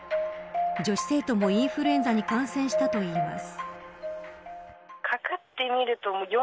女子生徒もインフルエンザに感染したといいます。